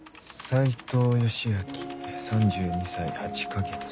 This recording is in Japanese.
斉藤義行３２歳８か月。